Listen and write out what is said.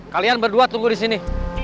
kalian berdua tunggu di sini